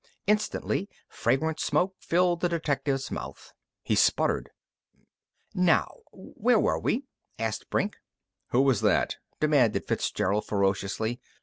Instantly fragrant smoke filled the detective's mouth. He sputtered. "Now.... where were we?" asked Brink. "Who was that?" demanded Fitzgerald ferociously.